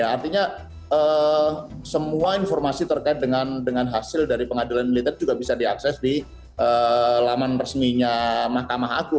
artinya semua informasi terkait dengan hasil dari pengadilan militer juga bisa diakses di laman resminya mahkamah agung